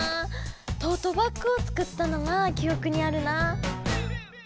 トートバッグを作ったのが記おくにあるな。